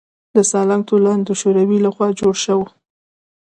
د سالنګ تونل د شوروي لخوا جوړ شو